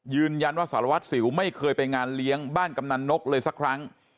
ยืนยันว่าสารวัตรสิวไม่เคยไปงานเลี้ยงบ้านกำนันนกเลยสักครั้ง